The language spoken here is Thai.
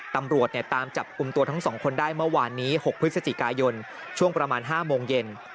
ตำรวจตามจับกลุ่มตัวทั้ง๒คนได้เมื่อวานนี้๖พฤศจิกายนช่วงประมาณ๕โมงเย็น